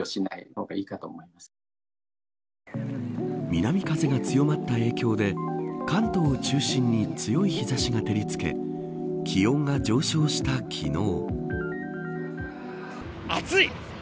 南風が強まった影響で関東を中心に強い日差しが照りつけ気温が上昇した昨日。